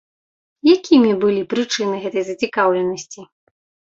Якімі былі прычыны гэтай зацікаўленасці?